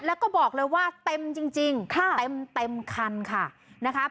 แล้วก็บอกเลยว่าเต็มจริงค่ะเต็มคันค่ะนะคะ